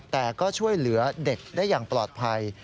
แต่ก็ช่วยเหลือเด็กได้อย่างปลอดภัย